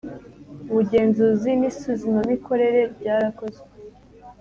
ubugenzuzi n isuzumamikorere ryarakozwe